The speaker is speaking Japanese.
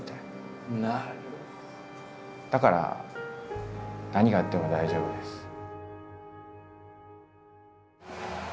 だから何があっても大丈夫です。